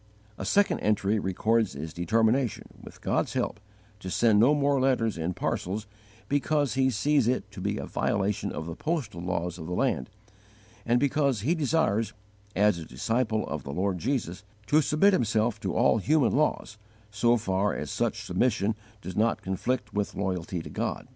A second entry records his determination, with God's help, to send no more letters in parcels because he sees it to be a violation of the postal laws of the land, and because he desires, as a disciple of the Lord Jesus, to submit himself to all human laws so far as such submission does not conflict with loyalty to God.